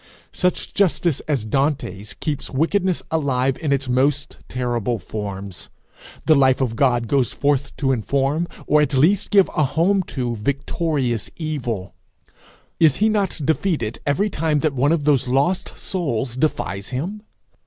Such justice as Dante's keeps wickedness alive in its most terrible forms. The life of God goes forth to inform, or at least give a home to victorious evil. Is he not defeated every time that one of those lost souls defies him?